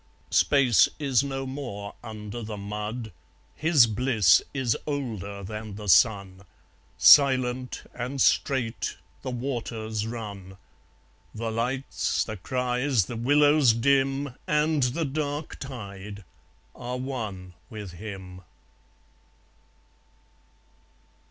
Space is no more, under the mud; His bliss is older than the sun. Silent and straight the waters run. The lights, the cries, the willows dim, And the dark tide are one with him.